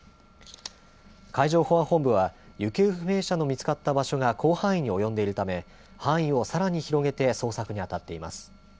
海上保安本部は、行方不明者が見つかった場所が広範囲に及んでいるため、範囲をさらに広げて、捜索に当たっています。